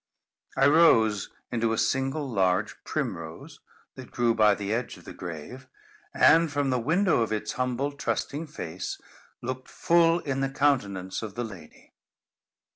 I rose into a single large primrose that grew by the edge of the grave, and from the window of its humble, trusting face, looked full in the countenance of the lady.